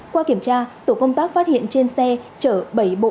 qua kiểm tra tổ công tác phát hiện trên xe chở bảy bộ